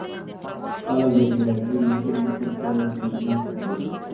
خلک له بېلابېلو سیمو څخه دې جشن ته راځي.